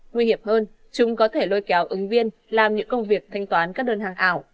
nguy hiểm hơn chúng có thể lôi kéo ứng viên làm những công việc thanh toán các đơn hàng ảo